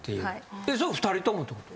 それ２人ともってこと？